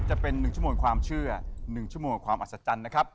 จะเป็น๑ชั่วโมงความเชื่อ๑ชั่วโมงความอัศจรรย์นะครับ